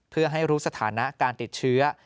เพื่อให้รู้สถานะการติดเชื้อ